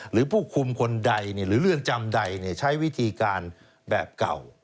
หรือผู้คุมคนใดหรือเรือนจำใดใช้วิธีการแบบเก่า